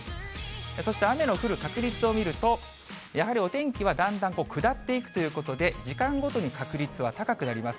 そして雨の降る確率を見ると、やはりお天気はだんだん下っていくことで、時間ごとに確率は高くなります。